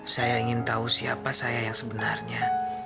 saya ingin tahu siapa saya yang sebenarnya